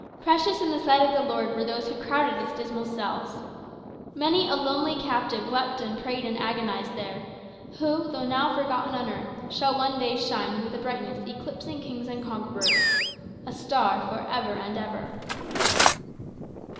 Precious in the sight of the Lord were those who crowded its dismal cells. Many a lonely captive wept and prayed and agonized there, who, though now forgotten on earth, shall one day shine with a brightness eclipsing kings and conquerors "a star for ever and ever."